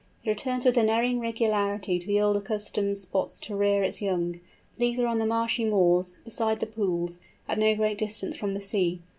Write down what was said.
It returns with unerring regularity to the old accustomed spots to rear its young. These are on the marshy moors, beside the pools, at no great distance from the sea.